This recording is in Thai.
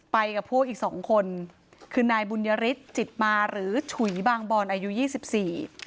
ไปกับพวกอีกสองคนคือนายบุญยฤทธิจิตมาหรือฉุยบางบอนอายุยี่สิบสี่